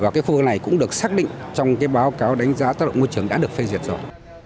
cái khu vực này cũng được xác định trong cái báo cáo đánh giá tất động môi trường đã được phê diệt rồi